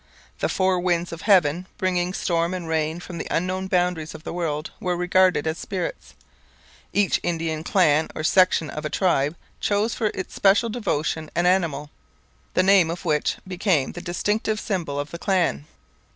The four winds of heaven, bringing storm and rain from the unknown boundaries of the world, were regarded as spirits. Each Indian clan or section of a tribe chose for its special devotion an animal, the name of which became the distinctive symbol of the clan.